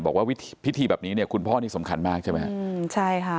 บอกว่าวิธีพิธีแบบนี้เนี่ยคุณพ่อนี่สำคัญมากใช่ไหมครับใช่ค่ะ